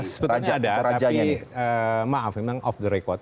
sebetulnya ada tapi maaf memang off the record